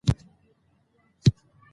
هغه په پیل کې نه پوهېده چې څه وکړي.